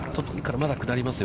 まだ下りますよ。